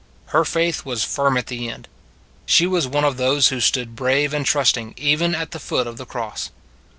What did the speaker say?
Her faith was firm at the end; she was one of those who stood brave and trusting even at the foot of the cross.